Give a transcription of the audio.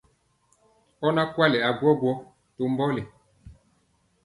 Ɔ naa kwali agwogwo to mbɔli.